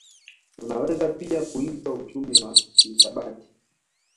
Unaweza pia kuitwa uchumi wa kihisabati